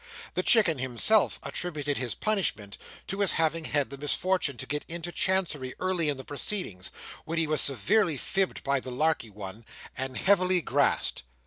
The Chicken himself attributed this punishment to his having had the misfortune to get into Chancery early in the proceedings, when he was severely fibbed by the Larkey one, and heavily grassed.